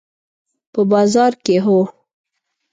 په بازار کې، هو